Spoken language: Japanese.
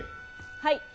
はい。